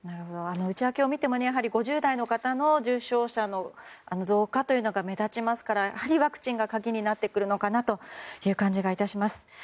内訳を見ても５０代の方の重症者の増加が目立ちますからワクチンが鍵になってくるのかなという感じが致します。